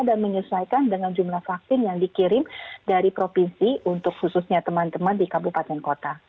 dan menyesuaikan dengan jumlah vaksin yang dikirim dari provinsi untuk khususnya teman teman di kabupaten kota